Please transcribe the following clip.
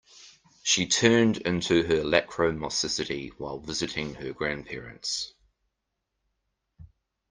She turned into her lachrymosity while visiting her grandparents.